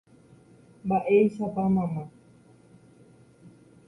Mba'éichapa mama